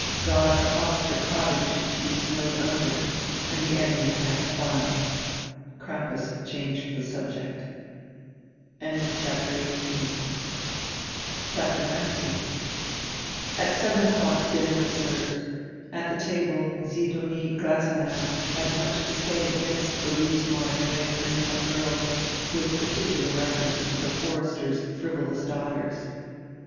God caused her cottage to be snowed under, and die enemy passed by. Crampas changed die subject] CHAPTER XIX [At seven o'clock dinner was served. At die table Sidonie Grasenabb had much to say against die loose modern way of bringing up girls, widi particular reference to die Forester's frivolous daughters.